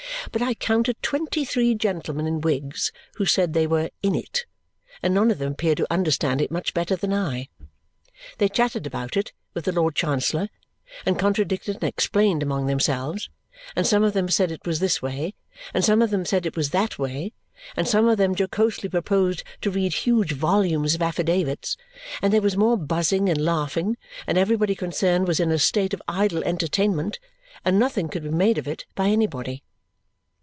But I counted twenty three gentlemen in wigs who said they were "in it," and none of them appeared to understand it much better than I. They chatted about it with the Lord Chancellor, and contradicted and explained among themselves, and some of them said it was this way, and some of them said it was that way, and some of them jocosely proposed to read huge volumes of affidavits, and there was more buzzing and laughing, and everybody concerned was in a state of idle entertainment, and nothing could be made of it by anybody.